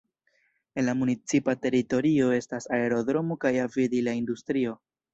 En la municipa teritorio estas aerodromo kaj aviadila industrio.